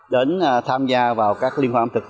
đến tham gia vào các liên hoan ẩm thực